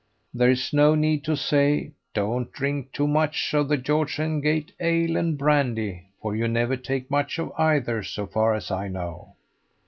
There's no need to say, Don't drink too much of the 'George and Gate' ale and brandy, for you never take much of either, so far as I know."